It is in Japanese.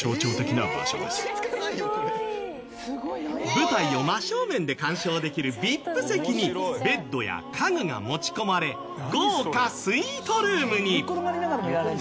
舞台を真正面で鑑賞できるＶＩＰ席にベッドや家具が持ち込まれ豪華スイートルームに。